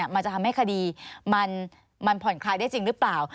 มันจะทำให้คดีมันผ่อนคลายได้จริงหรือเปล่า